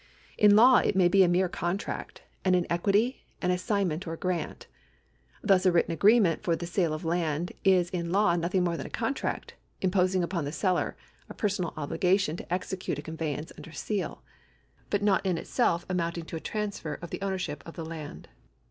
In law it may be a mere contract, and in equity an assignment or a grant. Thus a written agreement for the sale of land is in law nothing more than a contract, imposing upon the seller a personal obligation to execute a conveyance under seal, but not in itself amounting to a transfer of the ownership of the land.